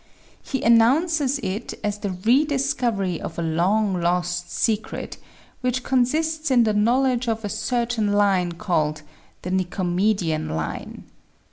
He an nounces it as the re discovery of a long lost secret, which consists in the knowledge of a certain line called "the Nicomedean line."